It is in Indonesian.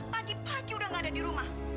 pagi pagi udah gak ada di rumah